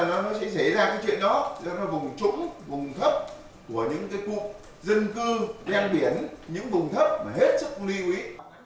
nó sẽ xảy ra cái chuyện đó cho nó vùng trũng vùng thấp của những cái cụ dân cư ven biển những vùng thấp mà hết sức lưu ý